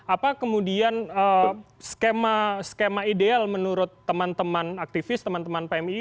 apa kemudian skema ideal menurut teman teman aktivis teman teman pmi